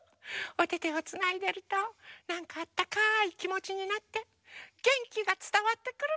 おててをつないでるとなんかあったかいきもちになってげんきがつたわってくるのよね。